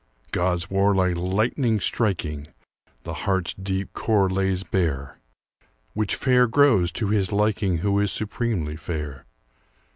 God's war like lightning striking, The heart's deep core lays bare, Which fair grows to his liking Who is supremely fair.